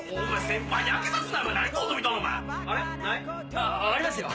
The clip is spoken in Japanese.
あっありますよ！